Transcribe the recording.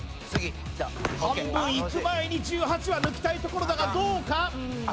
半分いく前に１８は抜きたいところだがどうか？